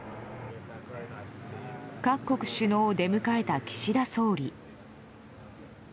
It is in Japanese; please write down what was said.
各国首脳を出迎えた岸田総理。